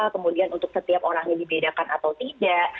kemudian untuk setiap orang yang dibedakan atau tidak